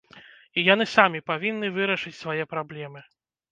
І яны самі павінны вырашыць свае праблемы.